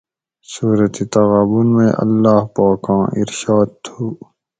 سورة تغابن مئ اللّٰہ پاکاں اِرشاد تھُو